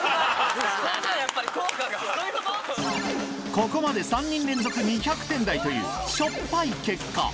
ここまで３人連続２００点台というしょっぱい結果